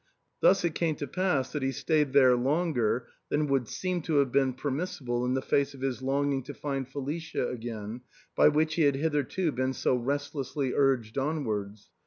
Thus it came to pass that he stayed there longer than would seem to have been permissible in the face of his longing to find Felicia again, by which he had hitherto been so restlessly urged onwards.